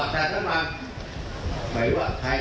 แต่ภาษาลัย